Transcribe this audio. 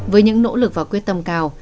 với những nỗ lực và quyết tâm cao